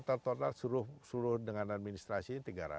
kita total total suruh dengan administrasi tiga ratus